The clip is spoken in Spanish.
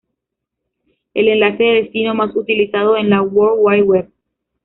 El enlace de destino más utilizado en la World Wide Web.